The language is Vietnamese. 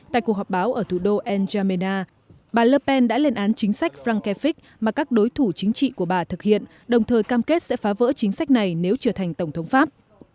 tại cuộc họp báo ở thủ đô el jamena bà le pen đã lên án chính sách france afric mà các đối thủ chính trị của bà thực hiện đồng thời cam kết sẽ phá vỡ chính sách này nếu trở thành tổng thống pháp